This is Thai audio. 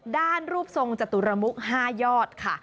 ด้านรูปทรงจตุรมุค๕ยอดค่ะ